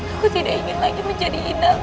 aku tidak ingin lagi menjadi indah